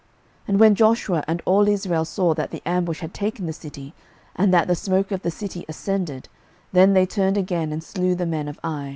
06:008:021 And when Joshua and all Israel saw that the ambush had taken the city, and that the smoke of the city ascended, then they turned again, and slew the men of Ai.